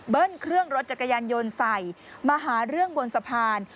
เครื่องรถจักรยานยนต์ใส่มาหาเรื่องบนสะพาน